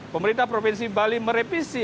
pemerintah provinsi bali merevisi